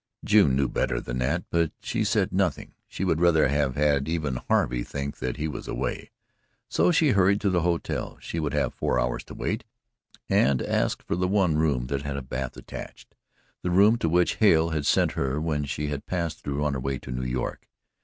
June knew better than that but she said nothing. She would rather have had even Harvey think that he was away. So she hurried to the hotel she would have four hours to wait and asked for the one room that had a bath attached the room to which Hale had sent her when she had passed through on her way to New York.